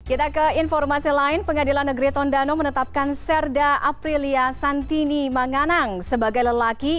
kita ke informasi lain pengadilan negeri tondano menetapkan serda aprilia santini manganang sebagai lelaki